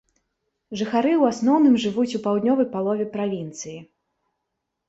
Жыхары ў асноўным жывуць у паўднёвай палове правінцыі.